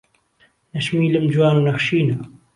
نهشمیلم جوان و نهخشینه